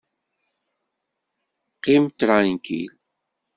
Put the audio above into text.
Qqim ṭṛankil!